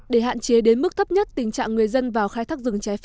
để hạn chế đến mức thấp nhất tình trạng người dân vào khai thác rừng trái phép